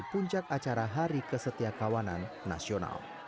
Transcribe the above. puncak acara hari kesetiakawanan nasional